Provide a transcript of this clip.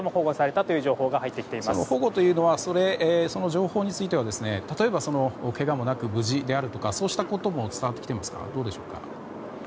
保護というのはその情報については例えばけがもなく無事であるとかそうしたことも伝わってきてますか？